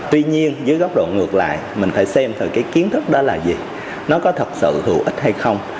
tuy nhiên dưới góc độ ngược lại mình phải xem thử cái kiến thức đó là gì nó có thật sự hữu ích hay không